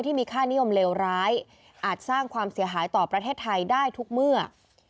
ที่มีค่านิยมเลวร้ายอาจสร้างความเสียหายต่อประเทศไทยได้ทุกเมื่อ